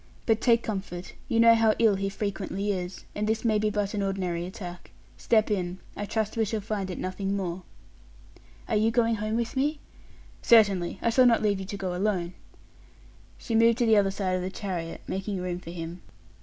But take comfort; you know how ill he frequently is, and this may be but an ordinary attack. Step in. I trust we shall find it nothing more." "Are you going home with me?" "Certainly; I shall not leave you to go alone." She moved to the other side of the chariot, making room for him.